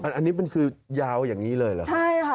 อันนี้คือยาวแบบนี้เลยหรือ